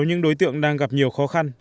những đối tượng đang gặp nhiều khó khăn